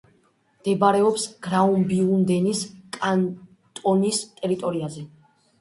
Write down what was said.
მდებარეობს გრაუბიუნდენის კანტონის ტერიტორიაზე.